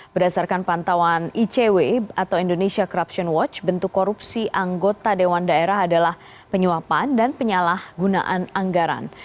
berdasarkan pantauan icw atau indonesia corruption watch bentuk korupsi anggota dewan daerah adalah penyuapan dan penyalahgunaan anggaran